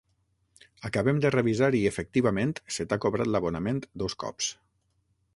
Acabem de revisar i efectivament se t'ha cobrat l'abonament dos cops.